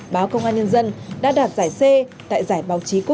báo công an nhân dân đã đạt giải c